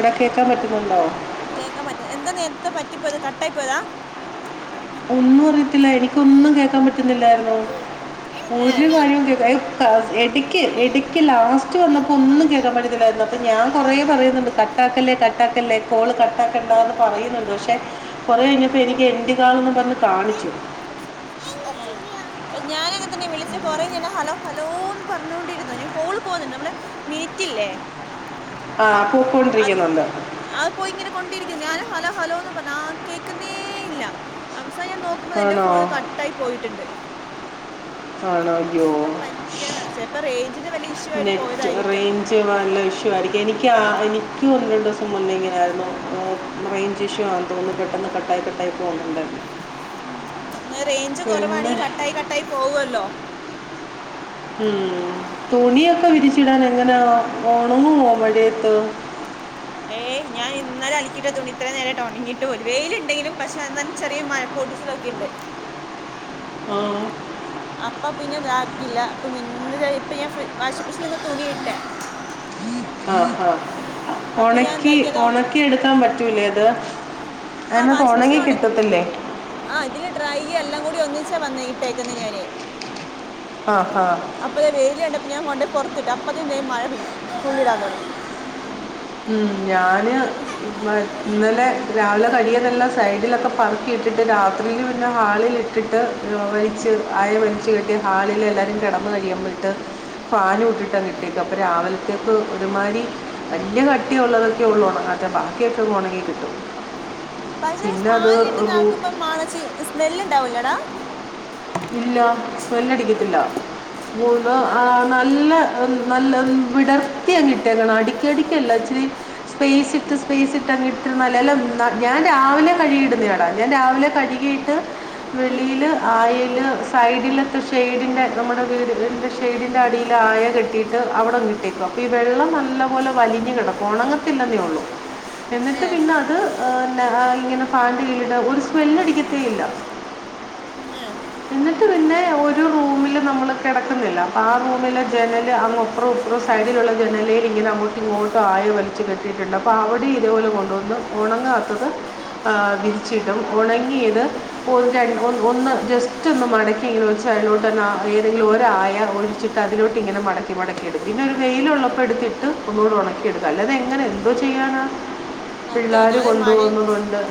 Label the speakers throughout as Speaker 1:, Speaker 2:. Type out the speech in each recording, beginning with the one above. Speaker 1: എടാ കേൾക്കാൻ പറ്റ
Speaker 2: കേക്ക പറ്റ് എന്താ നേരത്തെ പറ്റിപ്പോത് കട്ട ആയി പോയതാ
Speaker 1: ഒന്നും അറിയത്തില്ല എനിക്കൊന്നും കേക്കാൻ പറ്റുന്നില്ലായിരുന്നു
Speaker 2: ഏ. ഏ.
Speaker 1: ഒരു കാര്യവും കേ ഇടക്ക് ഇടക്ക് ലാസ്റ്റ് വന്നപ്പോ ഒന്നും കേക്കാൻ പറ്റുന്നില്ലാരുന്നു അപ്പ ഞാൻ കൊറെേ പറയുന്നുണ്ട് കട്ടാക്കല്ലേ കട്ടാക്കല്ലേ ല്ലേ കോള് കട്ടാക്കണ്ടാ പറയുന്നുണ്ട് പക്ഷെ കുറെ കഴിഞ്ഞപ്പോ എനിക്ക്
Speaker 2: [inaudible] ഉം
Speaker 1: കാളെന്ന് പറഞ്ഞ് കാണിച്ചു
Speaker 2: ഞാൻ അങ്ങന തന്നെ വിളിച്ച കൊറേ നേരം ഹലോ ഹലോ എന്ന് പറഞ്ഞോണ്ടിരുന്നു ഞാൻ കോള് പോകുന്നുണ്ട് നമ്മുടെ മീറ്റില്ലേ
Speaker 1: ആ
Speaker 2: അത്
Speaker 1: പോയിക്കൊണ്ടിരിക്കുന്നുണ്ട്
Speaker 2: അത് പോയി ഇങ്ങനെ കൊണ്ടിരിക്ക ഞാൻ ഹലോ ഹലോന്ന് പറഞ്ഞ കേൾക്കുന്നേ ഇല്ല ന്നാ ഞാൻ നോക്കുമ്പോൾ എന്റെ
Speaker 1: ആണോ
Speaker 2: ഫോണ് കട്ടായി പോയിട്ടുണ്ട്
Speaker 1: ആണോ
Speaker 2: അപ്പൊ
Speaker 1: അയ്യോ
Speaker 2: എന്താ പറ്റിയെന്നറിയില്ല ചിലപ്പോ റേഞ്ചിന്റെ വലിയ ഇഷ്യൂ ആയിട്ട്
Speaker 1: നെറ്റ്
Speaker 2: പോയതായിരിക്കാം
Speaker 1: റേഞ്ച് വല്ല ഇഷ്യൂ ക്കും എനിക്ക് ആ ൻക്കും ഒന്ന് രണ്ടു ദിവസം മുന്നേ ഇങ്ങനെയിയിരുന്നു റേഞ്ച് ഇഷ്യു ആണെന്ന് തോന്നുന്നു പെട്ടെന്ന് കട്ടായി കട്ടായി പോകുന്നുണ്ടായിരുന്നു
Speaker 2: ഉം ഒന്ന് റേഞ്ച് കുറവാണ്
Speaker 1: പിന്നെ
Speaker 2: ഈ കട്ടായി കട്ടായി പോകുവെല്ലോ
Speaker 1: ഉം തുണിയൊക്കെ
Speaker 2: ഉം
Speaker 1: വിരിച്ചിടാൻ എങ്ങനാ ഓണങ്ങുമോ മഴയത്ത്
Speaker 2: ഏയ് ഞാൻ ഇന്നലെ അലിക്കിട്ട തുണി ഇത്രയും നേരട്ട് ഉണങ്ങിട്ട് പോലു വെയിലുണ്ടെങ്കിലും പക്ഷെ എന്നാൽ ചെറിയ മഴ പൊടിച്ചിലൊകെ ണ്ട്
Speaker 1: ആഹ്
Speaker 2: അപ്പൊ പിന്നെ ഇതാക്കില്ല അപ്പ ഇന്ന് ഇപ്പ ഞാൻ ഫ്രി വാഷിംഗ് മെഷീൻ ഒന്ന് തുണിയിട്ടെ
Speaker 1: ആഹ് ആഹ്
Speaker 2: അപ്പൊ ഞാൻ
Speaker 1: ഉണക്കി
Speaker 2: എന്താക്കിയതോ
Speaker 1: ഉണക്കി എടുക്കാൻ പറ്റൂലേ അത്
Speaker 2: ആ
Speaker 1: അതിനകത്ത്
Speaker 2: വാഷിംഗ്‌ മെഷീൻ
Speaker 1: ഉണങ്ങി
Speaker 2: ഉണ
Speaker 1: കിട്ടത്തില്ലേ
Speaker 2: ആ ഇതില് ഡ്രൈ എല്ലാം കൂടി ഒന്നി ച്ച ഇട്ടേക്കുന്നെ ഞാന്
Speaker 1: ആ ആ
Speaker 2: അപ്പോദേ വെയില് കണ്ടപ്പോ ഞാൻ കൊണ്ടുപോയി പുറ ത്ടപ്പതിൻ ദേ മഴ പെയ് തുള്ളിടാൻ തൊടങ്ങി
Speaker 1: ഉം ഞാന് ഇന്ന് ഇന്നലെ രാവിലെ കഴികിയതെല്ലാം സൈഡിലൊക്കെ പറക്കിയിട്ടിട്ട് രാത്രീല് പിന്നെ ഹാളിൽ ഇട്ടിട്ട് [unintelligible] അ ല് വലിച്ച്കെട്ടി ഹാളിൽ എല്ലാരും കിടന്ന് കഴിയുമ്പോക്ക് ഫാനും ഇട്ട് അങ്ങ് ഇട്ടേക്കും അപ്പൊ രാവിലത്തേക്ക്‌ ഒരുമാരി വലിയ കട്ടിയുള്ളതൊക്കെ ഉള്ളൂ ഉണങ്ങാത്തെ ബാക്കി ഒക്കെ ഉണങ്ങി കിട്ടും
Speaker 2: പക്ഷെ
Speaker 1: പിന്നെ അത്
Speaker 2: ഫാനിലിട്ട്
Speaker 1: റൂ
Speaker 2: ഇതാക്കുമ്പോ മണച്ചി സ്മെല്ല് ഉണ്ടാവൂലടാ
Speaker 1: ഇല്ല സ്മെല്ലടിക്കത്തില്ല മൂന്ന് ആ
Speaker 2: ആണോ
Speaker 1: നല്ല നല്ല വിടർത്തിയങ്ങ് ഇട്ടേക്കണം അടിക്കടിക്കല്ല ഇച്ചിരി സ്പേസ് ഇട്ട് സ്പേസ് ഇട്ടങ് ഇട്ടിരുന്നാല് എല്ലാ ഞാൻ രാവിലെ കഴുകിയിടുന്നടാ ഞാൻ രാവിലെ കഴുകിട്ട്
Speaker 2: ഉം.
Speaker 1: വെളീല് അയ ല് സൈഡിലത്തെ ഷൈഡിൻ്റെ നമ്മുടെ വീടിന്റെ ഷെയ്ഡിന്റെ അടീൽ അയ കെട്ടിയിട്ട് അവിടെ കിട്ടി അപ്പൊ വെള്ളം നല്ല പോലെ വലിഞ്ഞ് കിടക്കും ഉണങ്ങത്തില്ലെന്നേ ഉള്ളൂ
Speaker 2: ഏ
Speaker 1: എന്നിട്ട് പിന്നെ അത് ഏഹ് ഇങ്ങനെ പാൻ്റീട് ഒരു സ്മെല് അടിക്കത്തേ ഇല്ല
Speaker 2: ഉം
Speaker 1: എന്നിട്ട് പിന്നെ ഒരുറൂ മിൽ നമ്മൾ കിടക്കുന്നില്ല അപ്പോൾ ആ റൂമിലെ ജനല് അങ്ങ് അപ്പറോ ഇപ്പറോ സൈഡിലുള്ള ജനലേൽ ഇങ്ങനേ ഇങ്ങോട്ടും ആയ വലിച്ചു കെട്ടിയിട്ട് അപ്പൊ അവിടെ ഇതുപോലെ കൊണ്ട് വന്ന് ഉണങ്ങാത്തത് ആ വിരിച്ചിട്ടും ഉണങ്ങിയത് ഒരു രണ്ട് ഒ ഒന്ന് ജസ്റ്റ് ഒന്ന് മടക്കിഇങ്ങനെ ഒരു സൈഡ്ലോട്ട് ഏതെങ്കിലും ഒരായ ഒഴിച്ചിട്ട് അതിലോട്ട് ഇങ്ങനെ മടക്കി മട ക്കിടും പിന്നെ ഒരു വെയില് ഉള്ളപ്പം എടുത്തിട്ട് ഒന്നൂടെ ഉണക്കിഎടുക്കും അല്ലാതെ എങ്ങനെ എന്തോ ചെയ്യാനാ
Speaker 2: സത്യം
Speaker 1: പിള്ളേര്
Speaker 2: ഒന്നാമത്
Speaker 1: കൊണ്ട്
Speaker 2: മഴയും
Speaker 1: പോകുന്ന വല്ലോം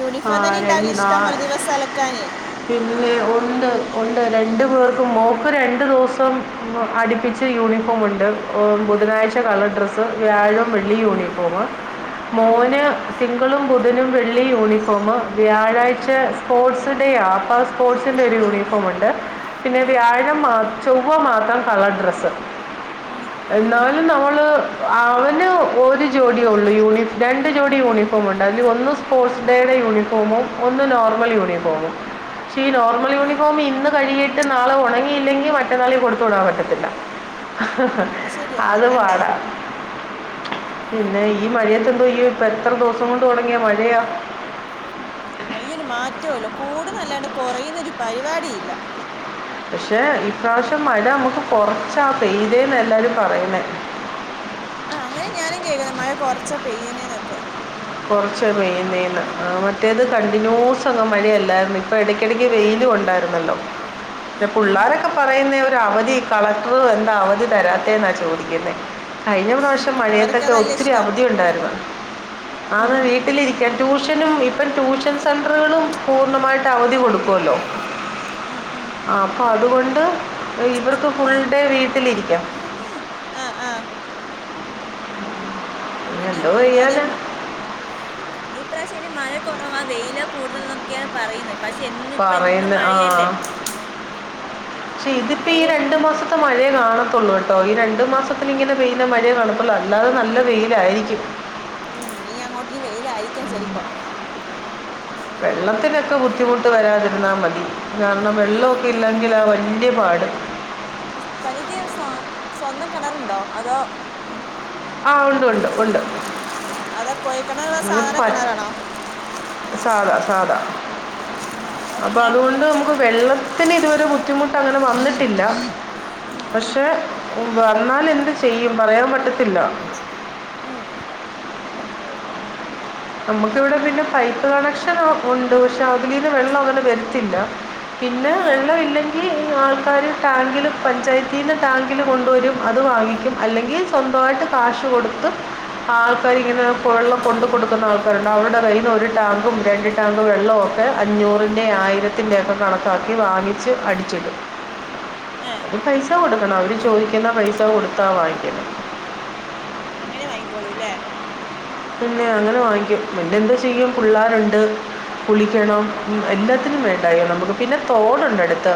Speaker 2: യൂണിഫോം തന്നെ ഇണ്ടാവില്ല ഇഷ്ട്ടം പോലെ ദിവസം അലക്കാന്
Speaker 1: പിന്നെ ഒണ്ട് ഉണ്ട് രണ്ട് പേർക്കും മോക്ക് രണ്ട് ദിവസം അടുപ്പിച്ച് യൂ ണിഫോമ് ഉണ്ട് ബുധനാഴ്ച കളർ ഡ്രസ്സ് വ്യാഴം വെള്ളി യൂണിഫോം
Speaker 2: ഉം,
Speaker 1: മോന് തിങ്കളും ബുധനും വെള്ളി യൂണിഫോം വ്യാഴാഴ്ച സ്പോർട്സ് ഡേ ആ സ്പോർട്സിൻ്റെ ഒരു യൂണിഫോം ഉണ്ട് പിന്നെ
Speaker 2: ഉം,
Speaker 1: വ്യാഴം ചൊവ്വ മാത്രം കളർ ഡ്രസ്സ്
Speaker 2: [inaudible]
Speaker 1: എന്നാലും നമ്മള് അവന് ഒരു ജോഡിയു ള്ളൂ യൂണിഫ രണ്ട് ജോഡി യൂണി യൂണിഫോമുണ്ട് അതിൽ ഒന്ന് സ്പോർട്സ് ഡേയുടെ യൂണിഫോമും ഒന്ന് നോർമൽ യൂണിഫോമും പക്ഷേ ഈ നോർമൽ
Speaker 2: ഉം.
Speaker 1: യൂണിഫോം ഇന്ന് കഴിയിട്ട് നാളെ ഉണങ്ങിയില്ലെങ്കിൽ മറ്റന്നാളും കൊടുത്ത് വി ടാൻ പറ്റത്തില്ല
Speaker 2: അത് ശരി
Speaker 1: അത്
Speaker 2: ഉണങ്ങണ്ടേ
Speaker 1: പാടാ പിന്നെ ഈ മഴയത്തെ എന്തോ ചെയ്യും ഇപ്പൊ എത്ര ദിവസം കൊണ്ട് തുടങ്ങിയ മഴയാ
Speaker 2: ഉം കുറയുന്നൊരു പരിപാടിയില്ല
Speaker 1: പക്ഷെ ഈപ്രാവശ്യം മഴ നമുക്ക് കൊറച്ചാ പെയ്തേന്ന എല്ലാരും പറയുന്നെ
Speaker 2: [inaudible] ക്കെ [inaudible]
Speaker 1: കുറച്ച പെയ്യുന്നെന് മറ്റേത്
Speaker 2: ഉം,
Speaker 1: കണ്ടിന്യൂസ് അങ്ങ് മഴയല്ലായിരുന്ന ഇപ്പ ഇടയ്ക്കിടക്ക് വെയില് ഉണ്ടായിരുന്നല്ലോ പ്പെ
Speaker 2: ഉം, ഉം,
Speaker 1: പിള്ളാരൊക്കെ പറയുന്നേ ഒരു അവധി കളക്ടർ എന്താ അവധി തരാത്തേന്നാ ചോദിക്കുന്നേ കഴിഞ്ഞ
Speaker 2: ഉം.
Speaker 1: പ്രാവശ്യം മഴയത്തൊക്കെ
Speaker 2: അവർക്കതല്ല
Speaker 1: ഒത്തിരി
Speaker 2: ഇഷ്ടം
Speaker 1: അവധി ഉണ്ടായിരുന്നു ആന്ന്
Speaker 2: ഉം.
Speaker 1: വീട്ടിലിരിക്ക ട്യൂഷനും ഇപ്പം ട്യൂഷൻ സെൻററുകളും പൂർണ്ണമായിട്ട് അവധി കൊടുക്കുവല്ലോ
Speaker 2: ഉം ഉം
Speaker 1: അപ്പൊ അതുകൊണ്ട് ഇവർക്ക് ഫുൾ ഡേ വീട്ടിലിരിക്കാം
Speaker 2: അറങ്ങ് ആ ആ ഇപ്പൊ പിന്നെ
Speaker 1: എന്തോ
Speaker 2: ഒന്നാതെ
Speaker 1: ചെയ്യാനാണ്
Speaker 2: ഈ പ്രാവശ്യം മഴ കുറവാ വെയിലാ കൂടുതൽ എന്നൊക്കെയാ പറയുന്ന പക്ഷെ ഇന്ന് ഇപ്പ എന്നും
Speaker 1: പറയുന്നത്
Speaker 2: മഴയല്ലേ
Speaker 1: ആ പക്ഷെ ഇതിപ്പോ ഈ
Speaker 2: ഒരു
Speaker 1: രണ്ടു മാസം മഴേ കാണത്തുള്ളൂ കേട്ടോ ഈ രണ്ടു മാസത്തിൽ ഇങ്ങനെ പെയ്യുന്ന മഴയെ കാണത്തുള്ളൂ അല്ലാതെ നല്ല വെയിലായിരിക്കും
Speaker 2: ഉം ഇനി അങ്ങോട്ടീ വെയിലയിരിക്കാം ചെലപ്പൊ
Speaker 1: വെള്ളത്തിനൊക്കെ ബുദ്ധിമുട്ട് വരാതിരുന്നാ മതി കാരണം വെള്ളമൊക്കെ ഇല്ലെങ്കിൽ ആ വലിയപാട്
Speaker 2: തനിക്ക് സ് സ്വന്തം കിണറുണ്ടോ അതോ
Speaker 1: ആ ഉണ്ട് ഉണ്ട് ഉണ്ട്
Speaker 2: അത കുയൽ ക്കിണറ
Speaker 1: ഇത്
Speaker 2: സാധാരണ
Speaker 1: പ-
Speaker 2: കിണറാണോ
Speaker 1: സാധാ സാധാ
Speaker 2: ആ
Speaker 1: അപ്പൊ
Speaker 2: പിന്നെ
Speaker 1: അതുകൊണ്ട് നമുക്ക് വെള്ളം ത്തിന് ഇതുവരെ ബുദ്ധിമുട്ട് അങ്ങനെ വന്നിട്ടില്ല
Speaker 2: ഉം ഉം
Speaker 1: പക്ഷെ വന്നാൽ എ ചെയ്യും പറയാൻ പറ്റത്തില്ല
Speaker 2: ഉം
Speaker 1: നമ്മുക്ക് ഇവിടെ പിന്നെ പൈപ്പ് കണക്ഷൻ ഉണ്ട് പക്ഷെ അതിലീന്ന് വെള്ളം അങ്ങനെ വരത്തില്ല പിന്നെ
Speaker 2: ഏ
Speaker 1: വെള്ളമല്ലെങ്കിൽ ആൾക്കാാര് ടാങ്കില് പഞ്ചായത്തിൽന്ന് ടാങ്കില് കൊണ്ടുവരും അത വാങ്ങിക്കും അല്ലെങ്കിൽ സ്വന്തമായിട്ട് കാശ് കൊടുത്തും ആൾക്കാർങ്ങനെ വെള്ളം കൊണ്ട് കൊടുക്കും ആൾക്കാരുണ്ട് അവരുടെ കയ്യിൽ നിന്ന് ഒരു ടാങ്കും രണ്ട് ടാങ്ക് വെള്ളവും ഒക്കെ അഞ്ഞൂറിന്റെ ആയിരത്തിന്റെയ ഒക്കെ കാണും കണക്കാക്കി വാങ്ങിച്ച് അടിച്ചിട്ടും
Speaker 2: ആഹ
Speaker 1: പൈസ കൊടുക്കണം അവര് ചോദിക്കുന്ന പൈസ കൊടുത്താ വായിക്കെ
Speaker 2: അങ്ങനെ വാങ്ങിക്കോളൂല്ലേ
Speaker 1: പിന്നെ അങ്ങനെ വാങ്ങിക്കും പിന്നെ എന്താ ചെയ്യും പിള്ളേരുണ്ട് കുളിക്കണം എല്ലാത്തിനും വേണ്ടായോ നമുക്ക് പിന്നെ തോടുണ്ട് അടുത്ത്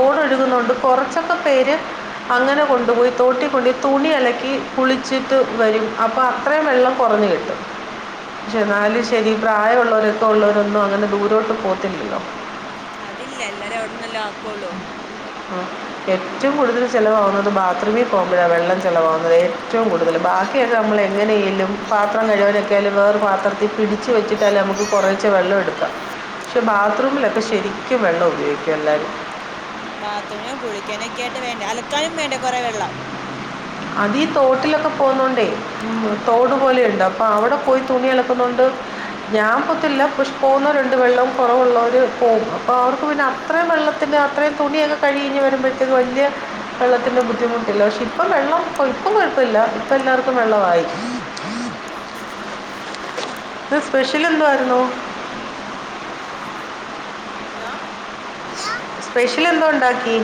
Speaker 1: ഒഴുകുന്നുണ്ട് കുറച്ചൊക്കെ പേര് അങ്ങനെ കൊണ്ടുപോയി തോട്ടിക്കൊണ്ടുയി തുണി ഇലക്കി കുളിച്ചിട്ട് വരും അപ്പം അത്രയും വെള്ളം കുറഞ്ഞു കിട്ടും
Speaker 2: ഉം
Speaker 1: പക്ഷെ
Speaker 2: ഉം ഉം
Speaker 1: എന്നാലും ശരി പ്രായമ ഉുള്ള ഉള്ളരൊക്കെ ഉള്ളവരൊന്നും അങ്ങനെ ദൂരോട്ട് പോത്തില്ലല്ലോ
Speaker 2: അതില്ല എല്ലാരും അവിടന്ന എല്ലാം ആക്കള്ളൂ
Speaker 1: ഉ ഏറ്റവും കൂടുതൽ ചിലലവാകുന്നത് ബാത്റൂമിൽ പോകുമ്പോഴ വെള്ളം ചിലലവാകുന്നത് ഏറ്റവും കൂടുതൽ ബാക്കിയൊക്കെ നമ്മൾ എങ്ങനെയെലും പാത്രം കഴുകലൊക്കെ വേറെ പാത്രത്തിൽ പിടിച്ചച്ച് വെച്ചിട്ടല്ലേ നമു ക്ക് കുറേ വെള്ളഎടുക്കാം പക്ഷെ ബാത്റു മിലൊക്കെ ശരിക്കും വെള്ളം ഉപയോഗിക്കു എല്ലാരും
Speaker 2: ഉ ബാത്റൂമിനോ കുളിക്കാനോ ഒക്കെ ആയിട്ട് വേണ്ടേ അലക്കാനും വേണ്ടേ കുറെേ വെള്ളം
Speaker 1: അതീ തോട്ടിലൊക്കെ പോകുന്നുണ്ടേ ഉ തോട് പോലെയുണ്ട് അപ്പൊ അവിടെ പോയി തുണി അലക്കുന്നുണ്ട് ഞാൻ പൊത്തില്ല പോകുന്നവർ ഇണ്ട് വെള്ളവും കുറവുള്ളവര് പോകും അപ്പൊ അവർക്ക് പിന്നെ അത്രയും വെള്ളത്തി അ അത്രയും തുണിയൊക്കെ കഴിഞ്ഞ് വരുമ്പോഴത്തേക്ക് വലിയ വെള്ളത്തിൻ്റെ ബുദ്ധിമുട്ടില്ല പക്ഷേ ഇപ്പം വെള്ളം കൊഴപ്പം കൊഴപ്പമില്ല ഇപ്പ എല്ലാർക്കും വെള്ളയി
Speaker 2: ഉം ഉം
Speaker 1: ഇത് സ്പെഷ്യൽ എന്തോ ആായിുന്നോ
Speaker 2: ഹലോ
Speaker 1: സ്പെഷ്യൽ എന്തോ ഉണ്ടാക്കി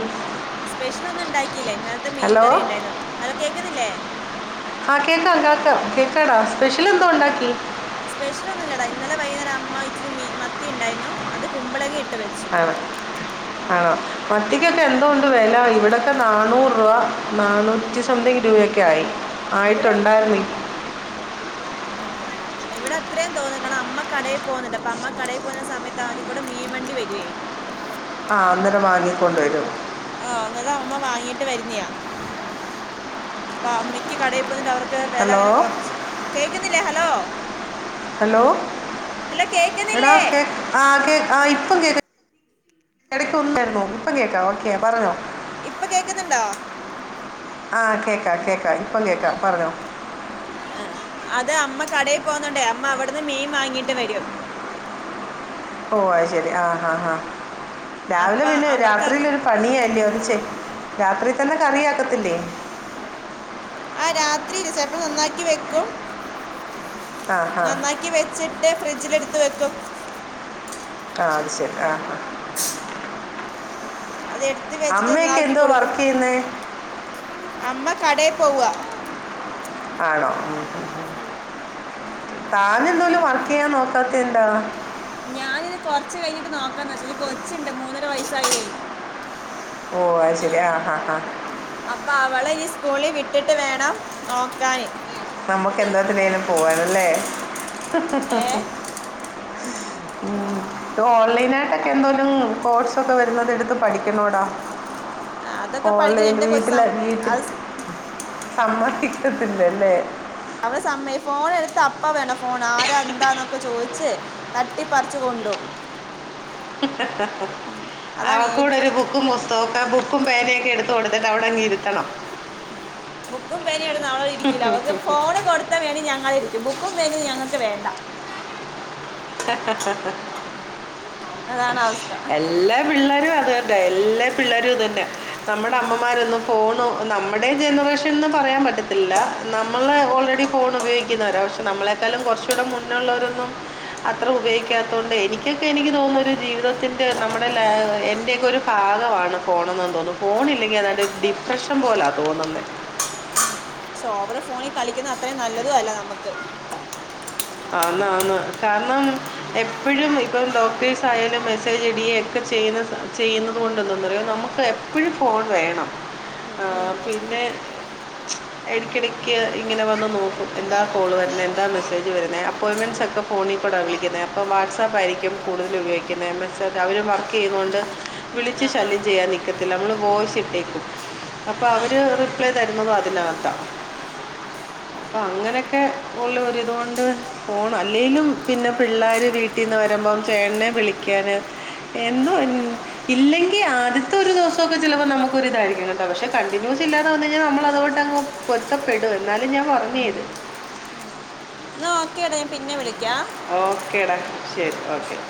Speaker 2: സ്പെഷ്യൽ ഒന്നും ഉണ്ടാക്കിയില്ലേ ഇന്നലത്തെ മീൻ
Speaker 1: ഹലോ
Speaker 2: കറി ഉണ്ടായിരുന്നു ഹലോ കേക്കുന്നില്ലേ
Speaker 1: ആ കേൾക്കാം കേൾക്ക കേൾക്കാടാ സ്പെഷ്യൽ എന്തോ ഉണ്ടാക്കി
Speaker 2: സ്പെഷ്യൽ ഒന്നുമല്ലാടാ ഇന്നലെ വൈകുന്നേരം അമ്മ ഇച്ചിരി മീൻ മത്തി ഉണ്ടായിരുന്നു അത് കുമ്പളങ്ങ ഇട്ടു ഇതു വെച്ചു
Speaker 1: ആണ് ആണോ മത്തിക്കൊക്കെ എന്തൊണ്ട് വില ഇവിടൊക്കെ നാനൂറ് രൂപ നാനൂറ്റി സംതിങ് രൂപയൊക്കെ ആയി
Speaker 2: ഇവിടെ
Speaker 1: ആയിട്ടുണ്ടായിുന്നീ
Speaker 2: ഇവിടെ അത്രയും തോന്ന കണം അമ്മ കടയിൽ പോകുന്നുണ്ട് അപ്പൊ അമ്മ കടയിൽ പോകുന്ന സമയത്ത് അതി കൂടെ മീൻ വണ്ടി വരുവേ
Speaker 1: അന്ദരം [unintelligible] വാങ്ങിക്കൊണ്ടുവരും
Speaker 2: ആഹ അന്നരം അമ്മ വാങ്ങിട്ട് വരുന്നിയാ അപ്പൊ അമ്മയ്ക്ക് കടയിൽ പോന്നിട്ട് അവർ വില
Speaker 1: ഹലോ
Speaker 2: അങ്ങനെ കൊറച്ച് കേൾക്കുന്നില്ലേ ഹലോ
Speaker 1: ഹലോ
Speaker 2: ഹലോ
Speaker 1: എടാ
Speaker 2: കേക്കുന്നില്ലേ
Speaker 1: ആ ആ ഇപ്പൊ കേ ഇടക്ക്ൊന്നായിുന്നോ ഇപ്പ കേൾക്കാ ഓക്കെ പറഞ്ഞോ
Speaker 2: ഇപ്പൊ കേക്കുന്നുണ്ടോ
Speaker 1: ആഹ കേക്കാ കേക്കാ ഇപ്പൊ കേക്കാ പറഞ്ഞോ
Speaker 2: ആ അത് അമ്മ കടയിൽ പോകുന്നുണ്ടേ അമ്മ അവിടുന്ന് മീൻ വാങ്ങിട്ട് വരും
Speaker 1: ഓ ആയി ശെരി ആ ആ ആഹ് രാവിലെ
Speaker 2: അപ്പൊ
Speaker 1: പിന്നെ
Speaker 2: അവർക്ക്
Speaker 1: രാത്രിയിലൊരു പണിയാല്ല്യോ അത്ചെ രാത്രി തന്നെ കറിയൊ
Speaker 2: ആ രാത്രിയില് ചെലപ്പോം നന്നാക്കി വെക്കും
Speaker 1: ആ ഹാ
Speaker 2: നന്നാക്കി വെച്ചിട്ട് ഫ്രിഡ്ജിലെടുത്ത് വെക്കും
Speaker 1: ആഹ് അത്ശെരി ആഹ് ആ
Speaker 2: അത് എടുത്ത്
Speaker 1: അമ്മയൊക്കെ
Speaker 2: വെച്ചിട്ട്താക്കി
Speaker 1: എന്തോ
Speaker 2: കൊടുക്കും
Speaker 1: വർക്ക് ചെയ്യുന്നേ
Speaker 2: അമ്മ കടയി പോവ്വാ
Speaker 1: ആണോ താൻ എന്തോലും വർക്കെയ്യാൻ നോക്കാത്തെയെന്താ
Speaker 2: ഞാനിത് കൊറച്ച് കഴിഞ്ഞിട്ട് നോക്കാന്ന് വെച്ച ഒരു കൊച്ചുണ്ട് മൂന്നര വയസായത്
Speaker 1: ഓ അത്ശെരി ആ ഹാ ഹാ
Speaker 2: അപ്പൊ അവളെ സ്കൂളി വിട്ടിട്ട് വേണം നോക്കാന്
Speaker 1: നമ്മുക്ക് ന്തോതായലും പോവർന്ന ലേ
Speaker 2: ഏ
Speaker 1: ഉം
Speaker 2: അപ്-
Speaker 1: ഓൺലൈനായിട്ടൊക്കെന്തോരം കോഴ്സൊക്കെ വരുന്നുന്നതെടുത്ത് പഠിക്കുന്നോടാ
Speaker 2: ആ, അതൊക്കെ
Speaker 1: ഓൺലൈൻ
Speaker 2: പഠിക്കുന്ന എന്റെ കൊച്ച്
Speaker 1: വീട്ടില്
Speaker 2: സം-
Speaker 1: വീട്ടിൽ
Speaker 2: അത്
Speaker 1: അമ്മ ഇട്ടിട്ടില്ലല്ലേ
Speaker 2: അവള് സമ്മയി ഫോണെടുത്താ അപ്പവേണം ഫോണ് ആരാ എന്നൊക്ക ന്നൊക്കെ ചോയിച്ച് തട്ടിപ്പറിച്ച് കൊ ണ്ടോവും
Speaker 1: ഹ-ഹ-ഹ-ഹ
Speaker 2: ഏ
Speaker 1: അവൾക്ക്ക്കൂടെ ഒരു ബുക്കും പുസ്തകും ആ ബുക്കും പേനയൊക്കെടുത്ത് കൊടുത്തിട്ട് അവിടങ്ങിരുത്തണം
Speaker 2: ബുക്കും പേനയും എടുത്ത് അവളവിടിരിക്കില്ല അവക്ക് ഫോണ് കൊടുത്താ വേണെ ഞങ്ങളിരിക്കും ബുക്കും പേനയും ഞങ്ങ ങ്ങക്ക് വേണ്ട
Speaker 1: ഹ-ഹ-ഹ-ഹ
Speaker 2: അതാണവസ്ഥ
Speaker 1: [unintelligible] ഇന്ന്വന്ന്കണ്ട എല്ലാ പിള്ളേരും ഇതന്നെ നമ്മുടെ അമ്മമാരൊന്നും ഫോണോ നമ്മുടെ ജനറേഷൻന്ന് പറയാൻ പറ്റത്തില്ല നമ്മൾ ഓൾറെഡി ഫോൺ ഉപയോഗി ക്കുന്നവരാ പക്ഷെ നമ്മളെക്കാളും കുറച്ചൂടെ മുന്നുള്ളവരൊന്നും അത്ര ഉപയോഗിക്കാത്തൊണ്ട് എനിക്കൊക്കെ എനിക്ക് തോന്നുന്നൊരു ജീവിതത്തിന്റെ നമ്മുടെ ലൈ എന്റെയൊക്കൊരു ഭാഗ മാണ് ഫോണെന്ന് തോന്നും ഫോണില്ലെങ്കി ഏതാണ്ട് ഡിപ്രഷൻ പോലാ തോന്നുന്നേ
Speaker 2: പക്ഷോഓവറ് ഫോണി കളിക്കുന്നതത്രയും നല്ലതുഅല്ല നമ്മക്ക്
Speaker 1: ആന്ന് ആന്ന് കാരണം എപ്പഴും ഇപ്പം ഡോക്ടേഴ്സായാലും മെസ്സേജ് ഇടിയെക്കെ ചെയ്യും ചെയ്യുന്ന ചെയ്യുന്നത് കൊണ്ടെന്ത്‌ന്നറിയോ നമുക്കെപ്പഴും ഫോൺ വേണം
Speaker 2: ഉം
Speaker 1: ആ
Speaker 2: ഉം
Speaker 1: പിന്നെ എടക്കിടക്ക് ഇങ്ങനെ വന്ന്നോക്കും എന്താ കോള് വര്ണെ എന്താ മെസ്സേജ്
Speaker 2: ഉം
Speaker 1: അപ്പോയ്മെന്റ്സൊക്കെ ഫോണീ കൂടാ വിളിക്കുന്നെ അപ്പോ വാട്സാപ്പായിരിക്കും കൂടുതലുപയോഗിക്കുന്നെ മീൻസ് അവര് വർക്കെയ്യുമ്പൊ കൊണ്ട് വിളിച്ച്
Speaker 2: ആ ആ
Speaker 1: ശല്യംചെയ്യാൻ നിൽക്കും നമ്മള് വോയ്‌സിട്ടേക്കും അപ്പൊ
Speaker 2: ആ
Speaker 1: അവര് റിപ്ലൈ തരുന്നതും അതിനകത്താ അപ്പൊ അങ്ങനെയൊക്കെ ഉള്ള ഒരിതുകൊണ്ട് പോണം അല്ലെലും പിന്നെ പിള്ളേര് വീട്ടിന്ന് വരുമ്പം ചേട്ടനെ വിളിക്കാന് എന്തോ ഇല്ലെങ്കിൽ ആദ്യത്തെ ഒരു ദിവസൊക്കെ ചിലപ്പോ നമുക്കൊരിതായിരിക്കും കേട്ടോ പക്ഷെ കണ്ടിന്യൂ സില്ലാതെവന്നുകഴിഞ്ഞാ നമ്മളതുആയിട്ടങ്ങ് പൊരുത്തപ്പെടും എന്നാലും ഞാൻ ഉറങ്ങിയയത്
Speaker 2: ഉം എന്നാ ഒക്കെ ടാ ഞാൻ പിന്നെ വിളിക്കാം
Speaker 1: ഓക്കേടാ ശെരി
Speaker 2: ഉം
Speaker 1: ഓക്കെ
Speaker 2: ശരി